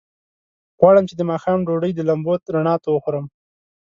غواړم چې د ماښام ډوډۍ د لمبو رڼا ته وخورم.